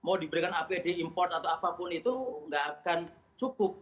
mau diberikan apd import atau apapun itu nggak akan cukup